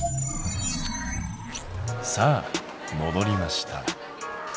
さあもどりました。